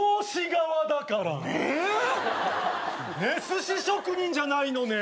すし職人じゃないのね。